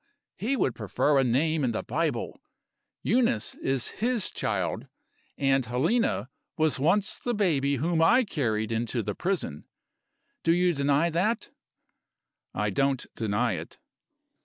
he would prefer a name in the Bible; Eunice is his child. And Helena was once the baby whom I carried into the prison. Do you deny that?" "I don't deny it."